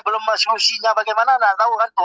belum selusinya bagaimana nggak tahu kan tuh